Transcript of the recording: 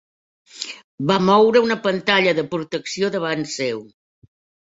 Va moure una pantalla de protecció davant seu.